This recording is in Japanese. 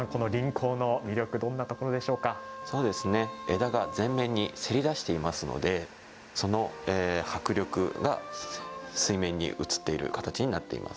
枝が全面にせり出していますのでその迫力が水面に映っている形になっています。